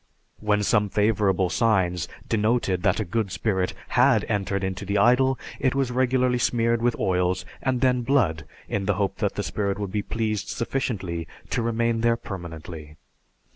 When some favorable signs denoted that a good spirit had entered into the idol, it was regularly smeared with oils and then blood, in the hope that the spirit would be pleased sufficiently to remain there permanently.